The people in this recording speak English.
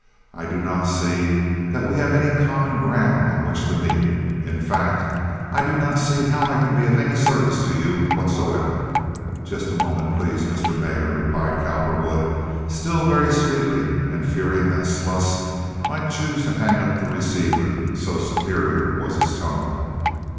I do not see that we have any common ground on which to meet. In fact, I do not see how I can be of any service to you whatsoever." "Just a moment, please, Mr. Mayor," replied Cowperwood, still very sweetly, and fearing that Sluss might choose to hang up the receiver, so superior was his tone.